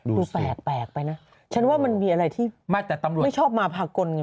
ดูแปลกไปนะฉันว่ามันมีอะไรที่ไม่ชอบมาพากลไงมันรู้ไหมไม่แต่ตำรวจ